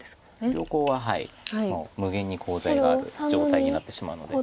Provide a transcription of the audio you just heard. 両コウはもう無限にコウ材がある状態になってしまうので。